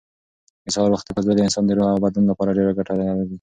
د سهار وختي پاڅېدل د انسان د روح او بدن لپاره ډېر ګټور دي.